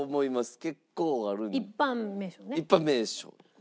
一般名称ね？